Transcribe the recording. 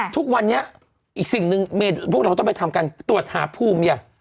ทุกวันนี้พวกเราต้องไปทำการตรวจหาภูมิ